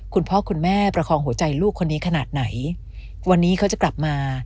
คุณพ่อคุณแม่ประคองหัวใจลูกคนนี้ขนาดไหนวันนี้เขาจะกลับมา